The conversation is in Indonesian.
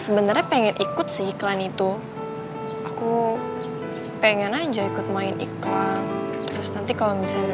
sebenarnya pengen ikut sih iklan itu aku pengen aja ikut main iklan terus nanti kalau misalnya udah